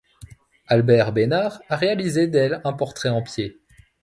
Albert Besnard a réalisé d'elle un portrait en pied.